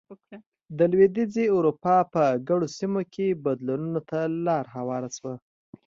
د لوېدیځې اروپا په ګڼو سیمو کې بدلونونو ته لار هواره شوه.